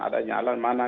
ada jalan mana